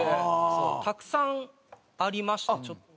たくさんありましてちょっと。